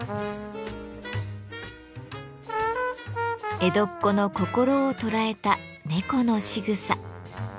江戸っ子の心を捉えた猫のしぐさ。